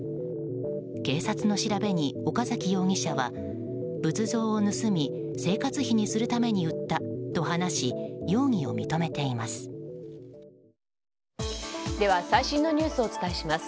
警察の調べに、岡崎容疑者は仏像を盗み生活費にするために売ったと話し容疑を認めています。